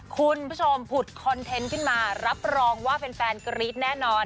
คุณผู้ชมผุดคอนเทนต์ขึ้นมารับรองว่าแฟนกรี๊ดแน่นอน